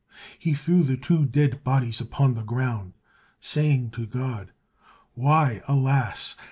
He threw the two dead bodies upon the ground, saying to God, "Why, alas!